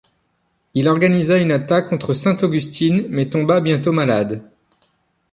Il organisa une attaque contre Saint-Augustine, mais tomba bientôt malade.